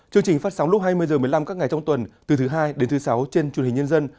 chương trình phát sóng lúc hai mươi h một mươi năm các ngày trong tuần từ thứ hai đến thứ sáu trên truyền hình nhân dân